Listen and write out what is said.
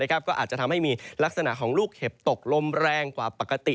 ก็อาจจะทำให้มีลักษณะของลูกเห็บตกลมแรงกว่าปกติ